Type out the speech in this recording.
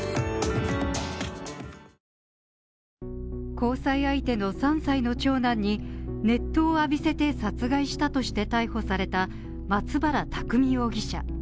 交際相手の３歳の長男に熱湯を浴びせて殺害したとして逮捕された松原拓海容疑者。